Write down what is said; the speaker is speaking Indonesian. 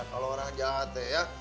kalau orang jahat ya